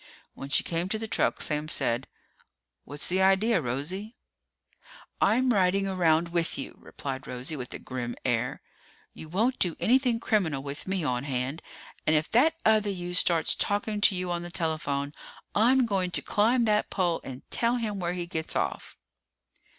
When she came to the truck, Sam said, "What's the idea, Rosie?" "I'm riding around with you," replied Rosie, with a grim air. "You won't do anything criminal with me on hand! And if that other you starts talking to you on the telephone, I'm going to climb that pole and tell him where he gets off!"